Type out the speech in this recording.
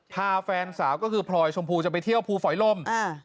แฟนสาวก็คือพลอยชมพูจะไปเที่ยวภูฝอยลมอ่า